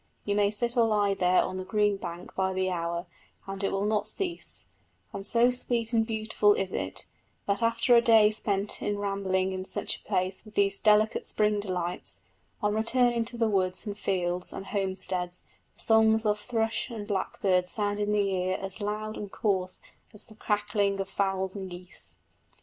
You may sit or lie there on the green bank by the hour and it will not cease; and so sweet and beautiful is it, that after a day spent in rambling in such a place with these delicate spring delights, on returning to the woods and fields and homesteads the songs of thrush and blackbird sound in the ear as loud and coarse as the cackling of fowls and geese.